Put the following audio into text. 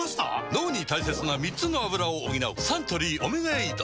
脳に大切な３つのアブラを補うサントリー「オメガエイド」